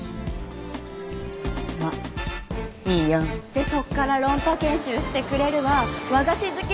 でそっから論破研修してくれるわ和菓子好き